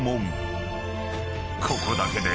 ［ここだけで］